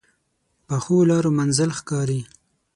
پخو لارو منزل ښکاري